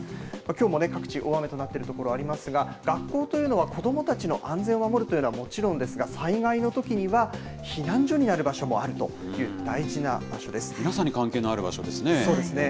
きょうも各地、大雨となっている所もありますが、学校というのは子どもたちの安全を守るというのはもちろんですが、災害のときには避難所になる場所皆さんに関係のある場所ですそうですね。